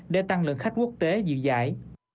để tăng lượng khách quốc tế dự giải